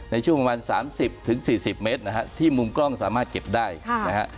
ในช่วงประมาณ๓๐๔๐เมตรนะฮะที่มุมกล้องสามารถเก็บได้นะฮะ